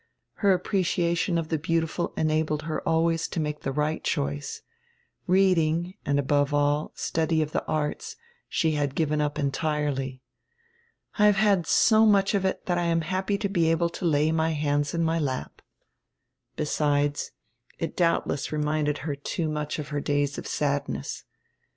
Her appreciation of die beautiful enabled her always to make die right choice. Reading and, above all, study of the arts she had given up entirely. "I have had so much of it that I am happy to be able to lay my hands in my lap." Besides, it doubtless reminded her too much of her days of sadness.